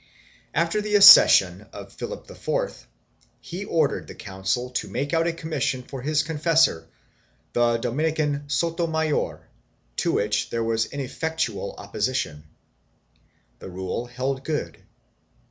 After the accession of Philip IV, he ordered the Council to make out a commission for his confessor, the Dominican Sotomayor, to which there was ineffectual opposition.2 The rule held good.